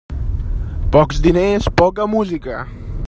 Pocs diners, poca música.